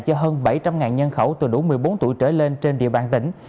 cho hơn bảy trăm linh nhân khẩu từ đủ một mươi bốn tuổi trở lên trên địa bàn tỉnh